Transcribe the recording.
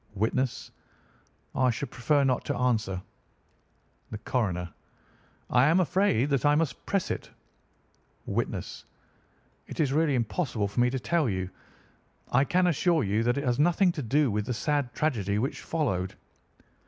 "Witness: I should prefer not to answer. "The Coroner: I am afraid that I must press it. "Witness: It is really impossible for me to tell you. I can assure you that it has nothing to do with the sad tragedy which followed.